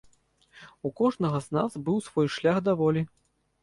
У кожнага з нас быў свой шлях да волі.